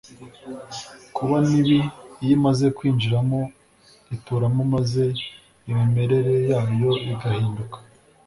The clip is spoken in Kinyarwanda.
kuba mibi Iyo imaze kwinjiramo ituramo maze imimerere yayo igahinduka